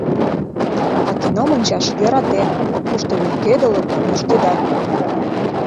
А кином ончаш йӧратен, кушто лӱйкедылыт да пуштедат.